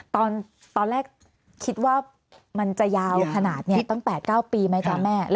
ตอนแรกคิดว่ามันจะยาวขนาดนี้ตั้ง๘๙ปีไหมจ๊ะแม่